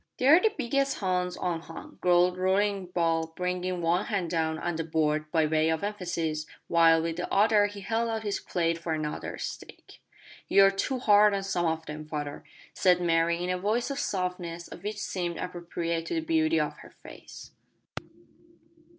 "They're the biggest hounds unhung," growled Roaring Bull, bringing one hand down on the board by way of emphasis, while with the other he held out his plate for another steak. "You're too hard on some of them, father," said Mary, in a voice the softness of which seemed appropriate to the beauty of her face.